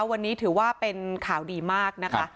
วันนี้ถือว่าเป็นข่าวดีมากนะคะ